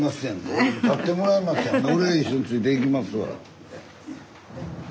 俺一緒についていきますわ。